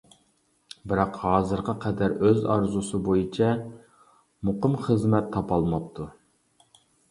بىراق ھازىرغا قەدەر ئۆز ئارزۇسى بويىچە مۇقىم خىزمەت تاپالماپتۇ.